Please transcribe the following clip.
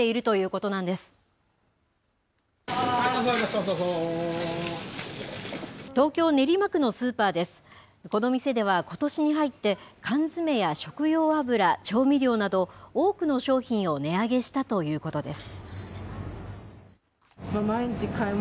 この店ではことしに入って、缶詰や食用油、調味料など、多くの商品を値上げしたということです。